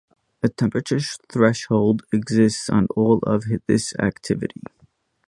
A temperature threshold exists on all of this activity.